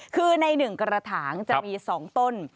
คือในหนึ่งกระถางจะมีสองต้น